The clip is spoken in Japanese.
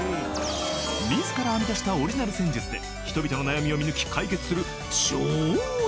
［自ら編み出したオリジナル占術で人々の悩みを見抜き解決する超すごい占い師］